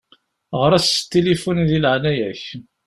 Ɣeṛ-as s tilifun di leɛnaya-k.